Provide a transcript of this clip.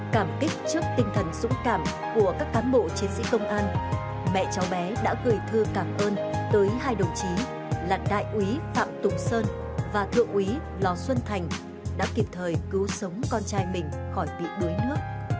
cảm kích trước tinh thần dũng cảm của các cán bộ chiến sĩ công an mẹ cháu bé đã gửi thư cảm ơn tới hai đồng chí là đại úy phạm tùng sơn và thượng úy lò xuân thành đã kịp thời cứu sống con trai mình khỏi bị đuối nước